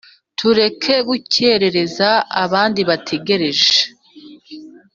tureke gukerereza abandi bategereje !"